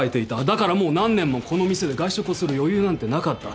だからもう何年もこの店で外食をする余裕なんてなかった。